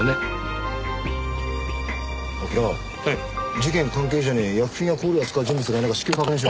事件関係者に薬品や香料を扱う人物がいないか至急確認しろ。